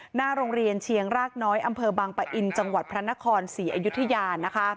หน้าโรงเรียนเชียงรากน้อยอำเภอบังปะอินจังหวัดพระนครศรีอยุธยานะคะ